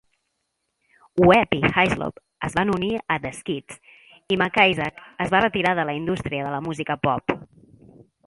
Webb i Hyslop es van unir a The Skids, i McIsaac es va retirar de la indústria de la música pop.